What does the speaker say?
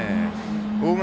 大垣